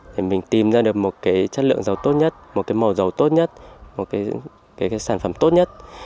để mình tìm ra được một cái chất lượng dầu tốt nhất một cái màu dầu tốt nhất một cái sản phẩm tốt nhất